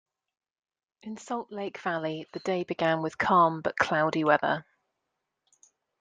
In Salt Lake Valley, the day began with calm but cloudy weather.